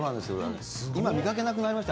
今、見かけなくなりました